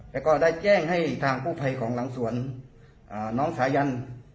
แล้วก็ได้แจ้งให้ทางกู้ภัยของหลังสวนน้องสายัน